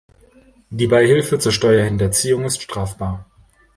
Die Beihilfe zur Steuerhinterziehung ist strafbar.